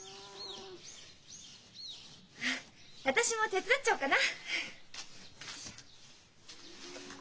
私も手伝っちゃおうかな。